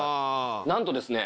なんとですね。